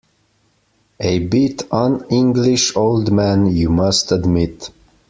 A bit un-English, old man, you must admit.